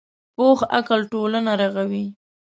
پوخ عقل ټولنه رغوي